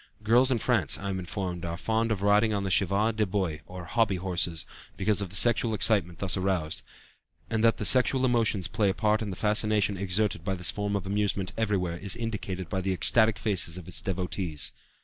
Girls in France, I am informed, are fond of riding on the chevaux de bois, or hobby horses, because of the sexual excitement thus aroused; and that the sexual emotions play a part in the fascination exerted by this form of amusement everywhere is indicated by the ecstatic faces of its devotees.